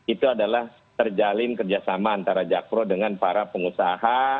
itu adalah terjalin kerjasama antara jakpro dengan para pengusaha